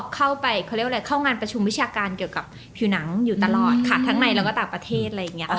เข้าไปเข้างานประชุมวิชาการเกี่ยวกับผิวหนังอยู่ตลอดทั้งในแล้วก็ต่างประเทศ